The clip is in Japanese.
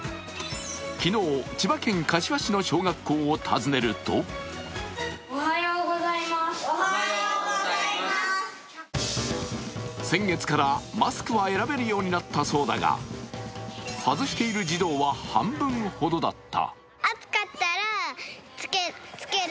昨日、千葉県柏市の小学校を訪ねると先月からマスクは選べるようになったそうだが外している児童は半分ほどだった。